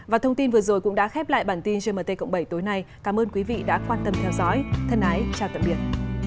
và thông tin vừa rồi cũng đã khép lại bản tin gmt cộng bảy tối nay cảm ơn quý vị đã quan tâm theo dõi thân ái chào tạm biệt